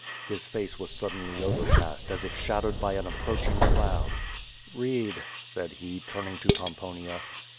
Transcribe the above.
His face was suddenly overcast, as if shadowed by an ap proaching cloud. "Read," said he, turning to Pomponia.